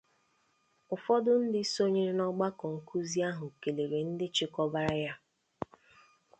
ụfọdụ ndị sonyere n'ọgbakọ nkụzi ahụ kèlèrè ndị chịkọbàrà ya